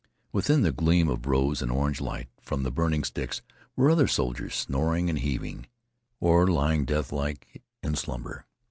Within the gleam of rose and orange light from the burning sticks were other soldiers, snoring and heaving, or lying deathlike in slumber.